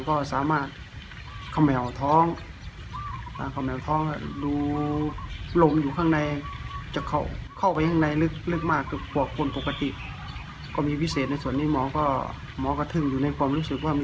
โอ้โหผมว่าการมีปอดใหญ่แค่นี้